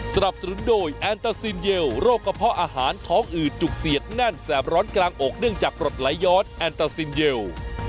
สนับสนุนโดยแอนตาซินเยลโรคกระเพาะอาหารท้องอืดจุกเสียดแน่นแสบร้อนกลางอกเนื่องจากกรดไหลย้อนแอนตาซินเยล